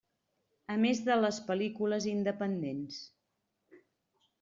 A més de les pel·lícules independents.